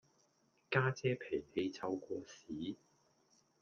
家姐脾氣臭過屎